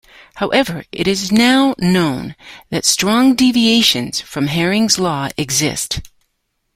However it is now known that strong deviations from Hering's law exist.